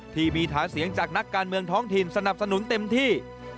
ที่มีฐานเสียงจากนักการเมืองท้องถิ่นสนับสนุนเต็มที่